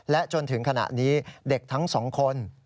จนถึงขณะนี้เด็กทั้งสองคน